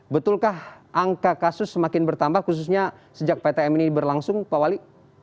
betulkah angka kasus semakin bertambah khususnya sejak ptm ini berlangsung pak wali